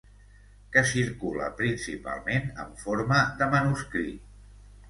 Que circula principalment en forma de manuscrit.